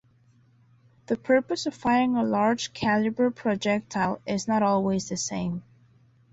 The purpose of firing a large calibre projectile is not always the same.